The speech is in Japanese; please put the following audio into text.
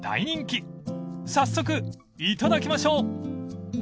［早速いただきましょう］